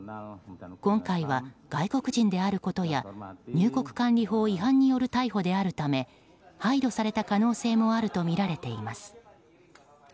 今回は外国人であることや入国管理法違反による逮捕のため配慮された可能性もあるとみられています。